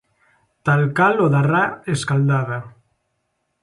Tal cal o da ra escaldada.